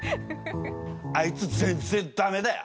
あいつ全然駄目だよ。